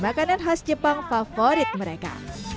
makanan khas jepang favorit mereka